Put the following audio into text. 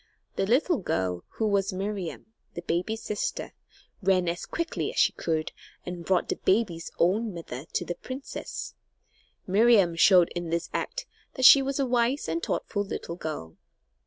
The little girl who was Miriam, the baby's sister ran as quickly as she could and brought the baby's own mother to the princess. Miriam showed in this act that she was a wise and thoughtful little girl.